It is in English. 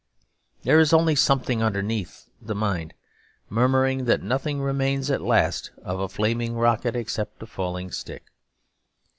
There is only something underneath the mind murmuring that nothing remains at last of a flaming rocket except a falling stick.